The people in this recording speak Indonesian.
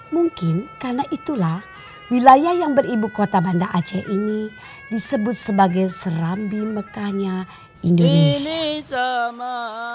mungkin karena itulah wilayah yang beribu kota banda aceh ini disebut sebagai serambi mekahnya indonesia